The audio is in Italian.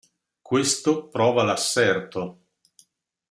Questo prova l'asserto.